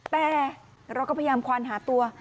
แต่เราก็พยายามควานหาตัว